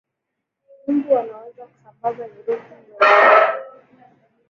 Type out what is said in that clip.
mbu wanaweza kusambaza virusi vya ukimwi